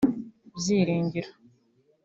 Byiringiro